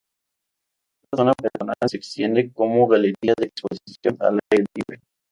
Esta zona peatonal se entiende como galería de exposición al aire libre.